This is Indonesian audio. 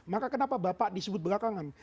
maka kenapa bapak disebut belakangan